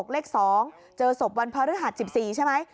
เลข๒เจอศพวันพระฤหัส๑๔ใช่ไหม